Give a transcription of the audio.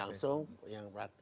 langsung yang praktis